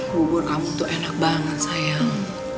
bubur kamu tuh enak banget sayang